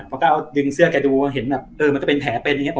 เขาก็เอาดึงเสื้อแกดูเห็นแบบเออมันก็เป็นแผลเป็นอย่างนี้